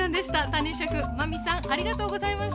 谷シェフ真海さんありがとうございました！